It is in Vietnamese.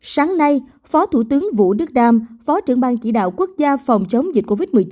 sáng nay phó thủ tướng vũ đức đam phó trưởng ban chỉ đạo quốc gia phòng chống dịch covid một mươi chín